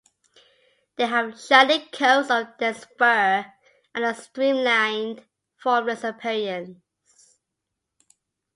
They have shiny coats of dense fur and a streamlined, formless appearance.